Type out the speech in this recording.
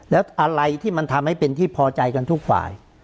แล้วอะไรที่มันทำให้เป็นที่พอใจกันทุกฝ่าย